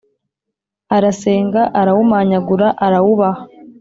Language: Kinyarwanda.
arasenga arawumanyagura arawubaha .